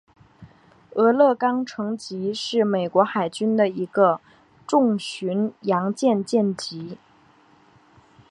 俄勒冈城级是美国海军的一个重巡洋舰舰级。